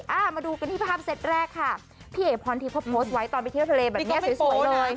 อ่ามาดูกันที่ภาพเซตแรกค่ะพี่เอ๋พรทิพย์เขาโพสต์ไว้ตอนไปเที่ยวทะเลแบบเนี้ยสวยสวยเลย